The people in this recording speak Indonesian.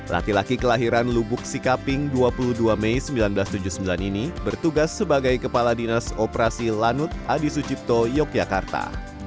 laki laki kelahiran lubuk sikaping dua puluh dua mei seribu sembilan ratus tujuh puluh sembilan ini bertugas sebagai kepala dinas operasi lanut adi sucipto yogyakarta